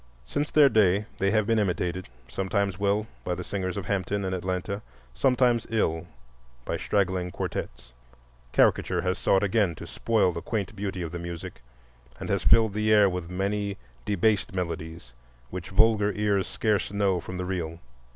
Since their day they have been imitated—sometimes well, by the singers of Hampton and Atlanta, sometimes ill, by straggling quartettes. Caricature has sought again to spoil the quaint beauty of the music, and has filled the air with many debased melodies which vulgar ears scarce know from the real.